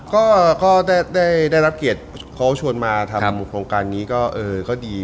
ก็ได้รับเกียรติเขาชวนมาทำโครงการนี้ก็เออก็ดี